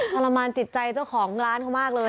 ทรมานจิตใจเจ้าของร้านเขามากเลย